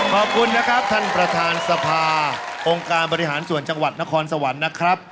ขอบคุณนะครับท่านประธานสภาองค์การบริหารส่วนจังหวัดนครสวรรค์นะครับ